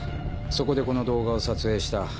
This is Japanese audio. そこでこの動画を撮影した？